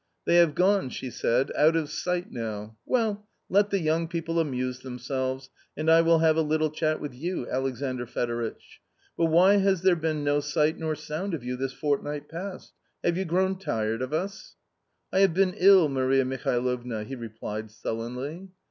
" They have gone," she said, " out of sight now ! Well, let the young people amuse themselves, and I will have a little chat with you, Alexandr Fedoritch. But why has there been no sight nor sound of you this fortnight past ; have you grown tired of us ?" tl I have been ill, Maria Mihalovna," he replied, sullenly.